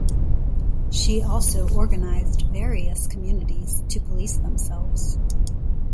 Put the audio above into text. She also organised various communities to police themselves.